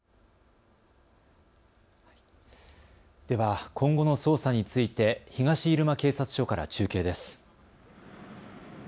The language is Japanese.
では、今後の捜査について東入間警察署から中継です。